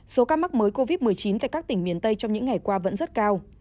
số ca mắc mới covid một mươi chín tại các tỉnh miền tây trong những ngày qua vẫn rất cao